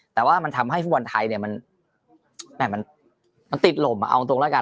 แต่ว่ามันทำให้ผู้ผ่านไทยเนี่ยมันแหม่มันมันติดหลบอะเอาตรงแล้วกัน